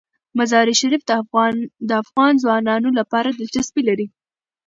مزارشریف د افغان ځوانانو لپاره دلچسپي لري.